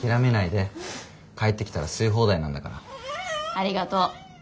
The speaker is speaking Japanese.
ありがとう。